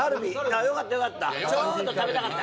よかったよかった